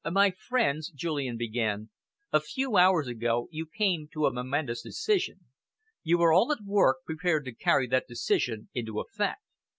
"My friends," Julian began, "a few hours ago you came to a momentous decision. You are all at work, prepared to carry that decision into effect.